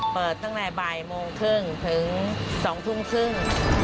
เปิดตั้งแต่บ่ายโมงครึ่งถึง๒ทุ่มครึ่ง